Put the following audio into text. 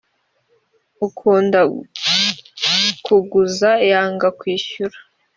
ukunda kuguza yanga kwishyura.